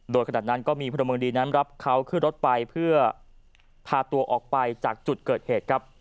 โดยขนาดนั้นก็มีพลเมืองดีนั้นรับเขาขึ้นรถไปเพื่อพาตัวออกไปจากจุดเกิดเหตุครับ